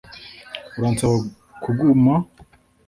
Uransaba kuguma